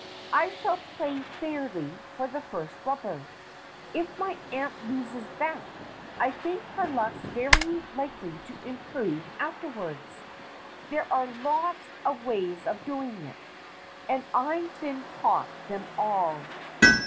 I shall play fairly for the first rubber. If my aunt loses that, I think her luck's very likely to improve afterwards. There are lots of ways of doing it, and I have been taught them all."